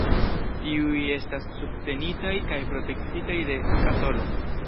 Tiuj estas subtenitaj kaj protektitaj de skatolo.